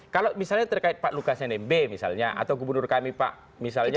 kalau misalnya terkait pak lukas nmb misalnya atau gubernur kami pak misalnya